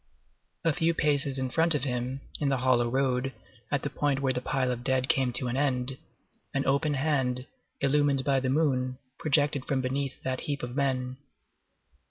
A few paces in front of him, in the hollow road, at the point where the pile of dead came to an end, an open hand, illumined by the moon, projected from beneath that heap of men.